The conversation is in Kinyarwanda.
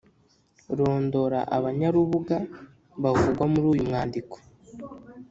rondora abanyarubuga bavugwa muri uyu mwandiko.